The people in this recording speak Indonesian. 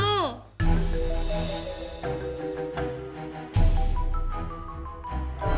baca jalan yang keras